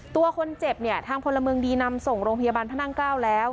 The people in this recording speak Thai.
ตัวคนเจ็บเนี่ยทางพลเมืองดีนำส่งโรงพยาบาลพระนั่งเกล้าแล้ว